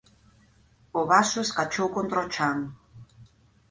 O vaso escachou contra o chan.